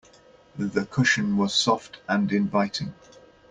The cushion was soft and inviting.